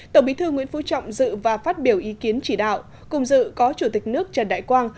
tổng bí thư nguyễn phú trọng dự và phát biểu ý kiến chỉ đạo cùng dự có chủ tịch nước trần đại quang